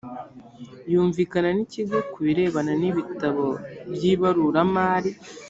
yumvikana n ikigo ku birebana n ibitabo by ibaruramari